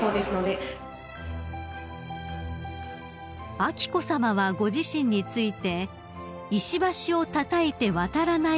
［彬子さまはご自身について「石橋をたたいて渡らない」